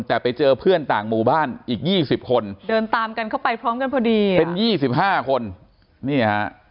แต่ไปเจอเพื่อนต่างหมู่บ้านอีก๒๐คนเดินตามกันเข้าไปพร้อมกันพอดีเป็น๒๕คนนี่ฮะ